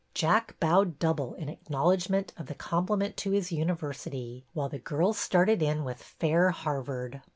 Jack bowed double in acknowledgment of the compliment to his university, while the girls started in with Fair Harvard."